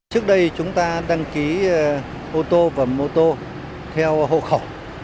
trước đây chúng ta đăng ký ô tô và mô tô theo hộ khẩu